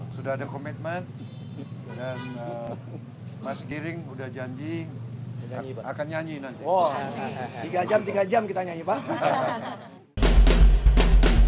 sudah ada komitmen dan mas giring sudah janji akan nyanyi nanti